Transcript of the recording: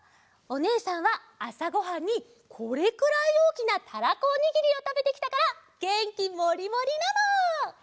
おねえさんはあさごはんにこれくらいおおきなたらこおにぎりをたべてきたからげんきモリモリなの！